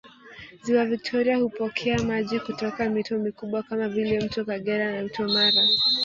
Ziwa Victoria hupokea maji kutoka mito mikubwa kama vile mto Kagera na mto Mara